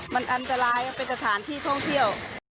มันอันตรายมันเป็นสถานที่ท่องเที่ยว